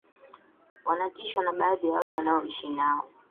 wanatishwa na baadhi ya watu wanaoishi nao